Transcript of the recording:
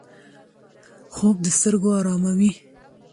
خوب د سترګو آراموي